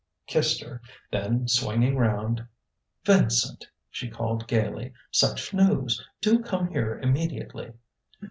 kissed her; then swinging round "Vincent!" she called gaily. "Such news! Do come here immediately!"